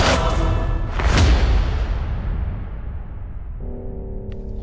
ya udah kakaknya sudah selesai